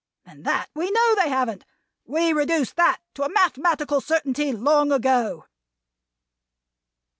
And that we know they haven't. We reduced that to a mathematical certainty long ago!"